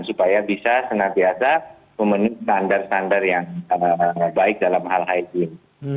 supaya bisa senang biasa memenuhi standar standar yang baik dalam hal hygiene